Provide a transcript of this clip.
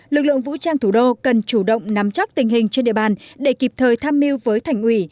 lực lượng vũ trang thủ đô cần chủ động nắm chắc tình hình trên địa bàn để kịp thời tham mưu với thành ủy